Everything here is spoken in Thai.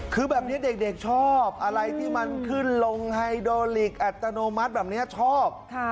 คือแบบนี้เด็กชอบอะไรที่มันขึ้นลงไฮโดลิกอัตโนมัติแบบนี้ชอบ